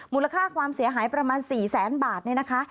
มูลค่าความเสียหายประมาณ๔แสนบาทเนี่ยนะคะ